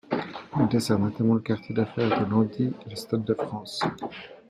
Elle dessert notamment le quartier d'affaires du Landy et le stade de France.